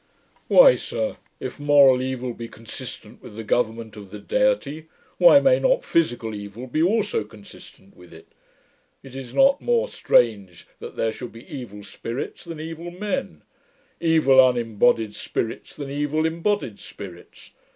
'Why, sir, if moral evil be consistent with the government of the Deity, why may not physical evil be also consistent with it? It is not more strange that there should be evil spirits, than evil embodied spirits.